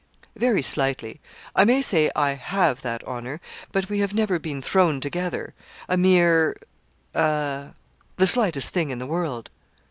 'Very slightly. I may say I have that honour, but we have never been thrown together; a mere a the slightest thing in the world.'